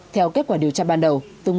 theo kết quả điều tra ban đầu